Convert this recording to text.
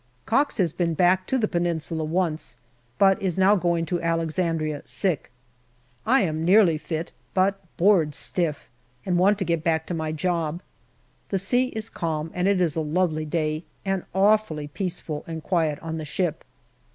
Cox has been back to the Peninsula once, but is now going to Alexandria, sick. I am nearly fit, but bored stiff, and want to get back to my job. The sea is calm and it is a lovely day, and awfully peaceful and quiet on the ship.